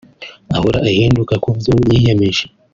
ahora ahinduka kubyo yiyemeje